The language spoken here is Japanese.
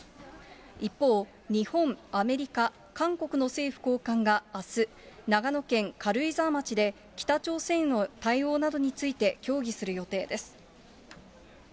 一方、日本、アメリカ、韓国の政府高官があす、長野県軽井沢町で北朝鮮への対応などについて協議する予定です。